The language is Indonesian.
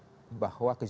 bahwa kejahatan buruh itu